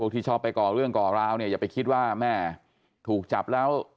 ที่ชอบไปก่อเรื่องก่อราวเนี่ยอย่าไปคิดว่าแม่ถูกจับแล้ว